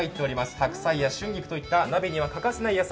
白菜や春菊といった鍋には欠かせない野菜。